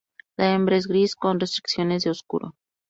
La hembra es gris con restricciones de oscuro.